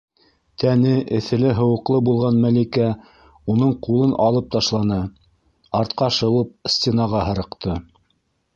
Тәне эҫеле-һыуыҡлы булған Мәликә уның ҡулын алып ташланы, артҡа шыуып, стенаға һырыҡты: